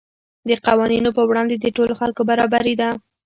د قوانینو په وړاندې د ټولو خلکو برابري ده.